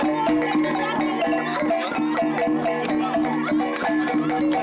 acteria datasi visi karena kita melihat hasilnya